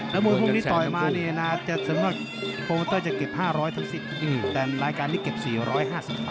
แล้วมือพวกนี้ต่อยมานี่นะจะเก็บ๕๐๐ทั้งสิทธิ์แต่รายการนี้เก็บ๔๕๐บาท